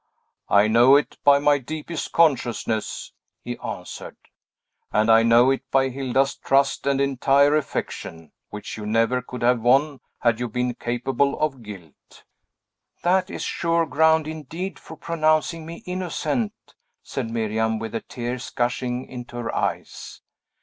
"I know it by my deepest consciousness," he answered; "and I know it by Hilda's trust and entire affection, which you never could have won had you been capable of guilt." "That is sure ground, indeed, for pronouncing me innocent," said Miriam, with the tears gushing into her eyes.